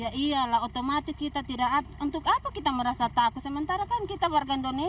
ya iyalah otomatis kita tidak untuk apa kita merasa takut sementara kan kita warga indonesia